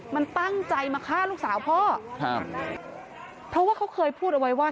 มันตั้งใจมาฆ่าลูกสาวพ่อครับเพราะว่าเขาเคยพูดเอาไว้ว่า